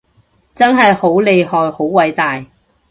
真係好厲害好偉大